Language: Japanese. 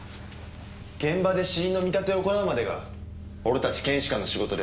現場で死因の見立てを行うまでが俺たち検視官の仕事です。